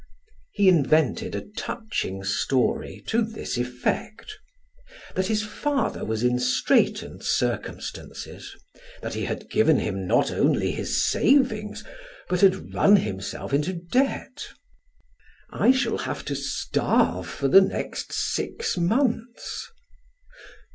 He invented a touching story to this effect: That his father was in straitened circumstances, that he had given him not only his savings, but had run himself into debt. "I shall have to starve for the next six months."